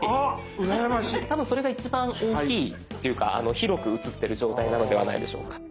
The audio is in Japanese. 多分それが一番大きいというか広く映ってる状態なのではないでしょうか。